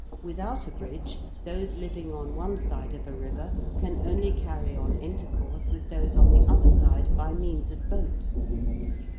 Without a bridge, those living on one side of a river can only carry on intercourse with those on the other side by means of boats.